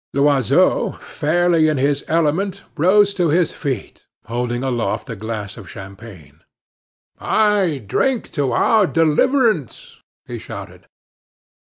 Loiseau, fairly in his element, rose to his feet, holding aloft a glass of champagne. "I drink to our deliverance!" he shouted.